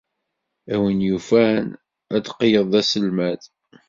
A win yufan ad teqqled d aselmad.